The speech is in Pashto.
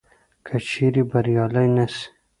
که چیري بریالي نه سي